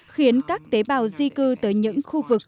khiến các tế bào di cư tới những khu vực khó khăn